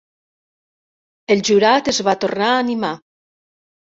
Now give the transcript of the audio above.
El jurat es va tornar a animar.